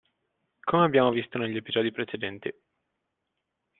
Come abbiamo visto negli episodi precedenti.